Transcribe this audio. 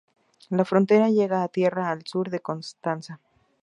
La frontera llega a tierra al sur de Constanza.